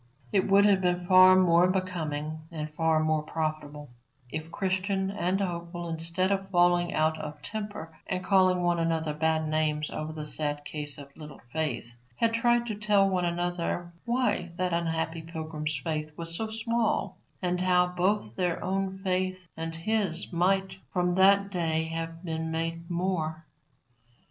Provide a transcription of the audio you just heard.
It would have been far more becoming and far more profitable if Christian and Hopeful, instead of falling out of temper and calling one another bad names over the sad case of Little Faith, had tried to tell one another why that unhappy pilgrim's faith was so small, and how both their own faith and his might from that day have been made more.